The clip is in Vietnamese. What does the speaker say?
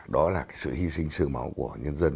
đó là sự hy sinh sương máu của nhân dân